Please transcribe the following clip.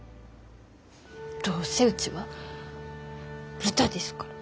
どうせうちは豚ですから。